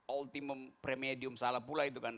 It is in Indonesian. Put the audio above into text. ultimum premedium salah pula itu kan